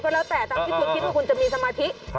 แล้วแต่ตามที่คุณคิดว่าคุณจะมีสมาธิ